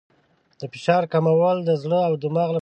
د فشار کمول د زړه او دماغ لپاره ګټور دي.